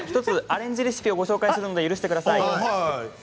１つアレンジレシピをご紹介するので許してください。